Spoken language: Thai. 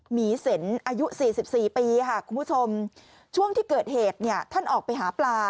หมีเสนอายุ๔๔ปีค่ะคุณผู้ชมช่วงที่เกิดเหตุเนี่ยท่านออกไปหาปลา